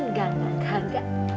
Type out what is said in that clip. enggak enggak enggak